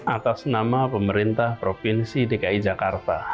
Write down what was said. atas nama pemerintah provinsi dki jakarta